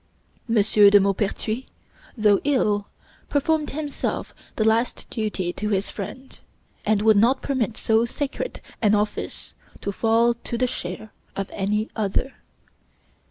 M. de Maupertuis, though ill, performed himself this last duty to his friend, and would not permit so sacred an office to fall to the share of any other.